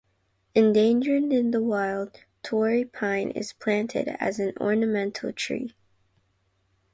Endangered in the wild, Torrey pine is planted as an ornamental tree.